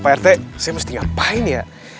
pak rt saya mesti ngapain ya